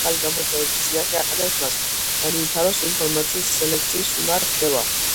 რაც ახალი გამოწვევების წინაშე აყენებს მას - განივითაროს ინფორმაციის სელექციის უნარ- ჩვევა.